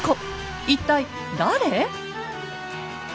一体誰？